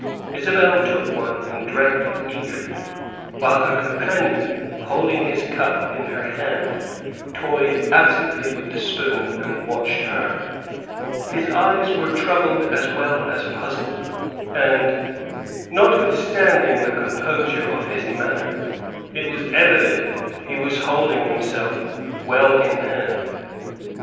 Isabel took one and drank it eagerly, while her companion, holding his cup in his hand, toyed absently with the spoon and watched her; his eyes were troubled as well as puzzled and, notwith standing the composure of his manner, it was evident he was holding himself well in hand.